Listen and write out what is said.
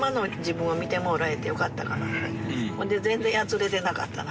ほんで全然やつれてなかったな。